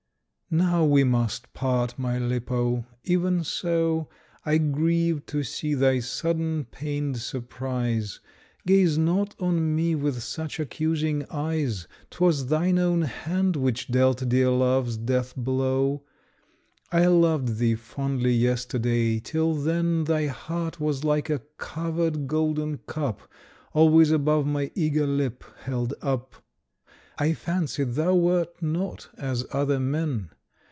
Now we must part, my Lippo. Even so, I grieve to see thy sudden pained surprise; Gaze not on me with such accusing eyes 'T was thine own hand which dealt dear Love's death blow. I loved thee fondly yesterday. Till then Thy heart was like a covered golden cup Always above my eager lip held up. I fancied thou wert not as other men.